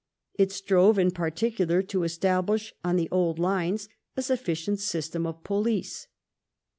It strove in particular to establish on the old lines a sufficient system of police.